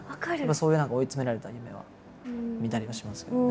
そういう追い詰められた夢は見たりはしますけどね。